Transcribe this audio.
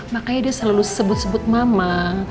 makanya dia selalu sebut sebut mama